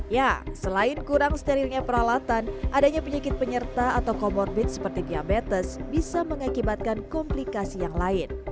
ya selain kurang sterilnya peralatan adanya penyakit penyerta atau comorbid seperti diabetes bisa mengakibatkan komplikasi yang lain